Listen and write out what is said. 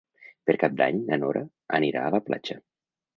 Per Cap d'Any na Nora anirà a la platja.